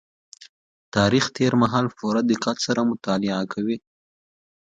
تاريخ تېر مهال په پوره دقت سره مطالعه کوي.